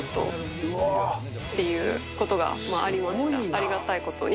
ありがたいことに。